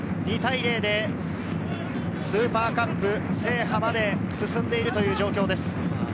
２対０でスーパーカップ制覇まで進んでいるという状況です。